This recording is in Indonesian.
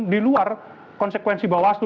di luar konsekuensi bawaslu